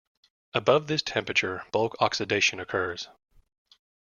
Above this temperature bulk oxidation occurs.